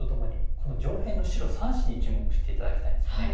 この上辺の白３子に注目して頂きたいんですね。